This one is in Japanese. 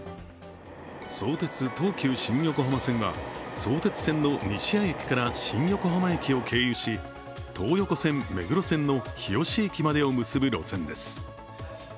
相鉄・東急新横浜線は相鉄線の西谷駅から新横浜駅を経由し、東横線・目黒線の日吉駅までを結ぶ路線です。